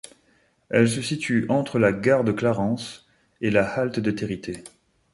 Elle se situe entre la gare de Clarens et la halte de Territet.